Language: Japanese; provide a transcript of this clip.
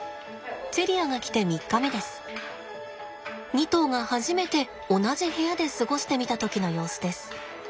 ２頭が初めて同じ部屋で過ごしてみた時の様子です。